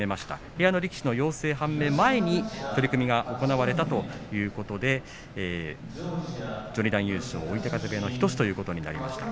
部屋の力士の陽性判明前に取組が行われたということで序二段優勝追手風部屋の日翔志はなりました。